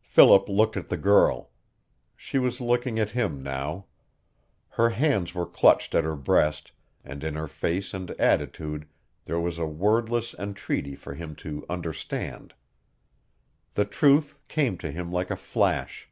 Philip looked at the girl. She was looking at him now. Her hands were clutched at her breast, and in her face and attitude there was a wordless entreaty for him to understand. The truth came to him like a flash.